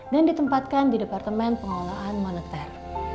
dan ditempatkan di departemen pengolahan moneter